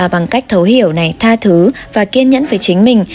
bằng cách thấu hiểu này tha thứ và kiên nhẫn với chính mình